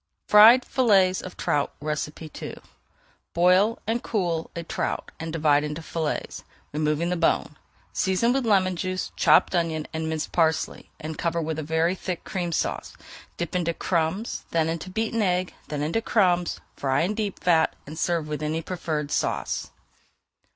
FRIED FILLETS OF TROUT II Boil and cool a trout and divide into fillets, removing the bone. Season with lemon juice, chopped onion, and minced parsley, and cover with a very thick Cream Sauce. Dip into crumbs, then into beaten egg, then into crumbs, fry in deep fat, and serve with any preferred sauce.